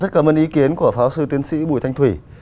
rất cảm ơn ý kiến của phó sư tiến sĩ bùi thanh thủy